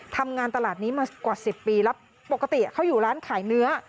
ทำงานตลาดนี้มากว่า๑๐ปีแล้วปกติเขาอยู่ร้านขายเนื้อ